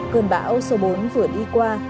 cơn bão số bốn vừa đi qua